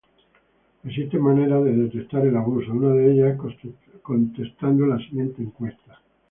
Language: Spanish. Existen maneras de detectar el abuso, una de ellas es contestando la siguiente encuesta...